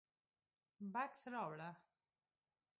_بکس راوړه.